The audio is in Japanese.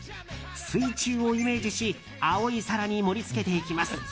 水中をイメージし青い皿に盛り付けていきます。